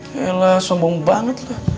yelah sombong banget